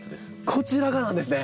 こちらがなんですね！